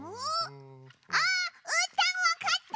あっうーたんわかった！